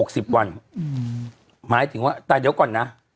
สี่กวันหมายถึงว่าแต่เดี๋ยวก่อนนะ